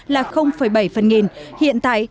là bảy phần nghìn hiện tại